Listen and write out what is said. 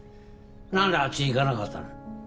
なんであっちに行かなかったの？